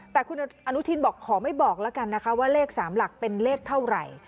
แต่คุณอนุทินบอกขอไม่บอกแล้วกันนะคะว่าเลข๓หลักเป็นเลขเท่าไหร่